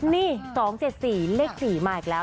นี่๒๗๔เลข๔มาอีกแล้ว